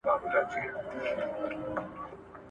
سیاست پوهنې د ټولنیزو علومو په پرمختګ کي مرسته ونه کړه.